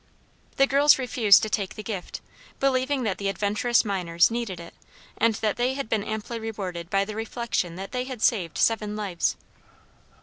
The girls refused to take the gift, believing that the adventurous miners needed it, and that they had been amply rewarded by the reflection that they had saved seven lives.